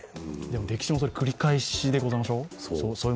歴史も繰り返しでございましょう。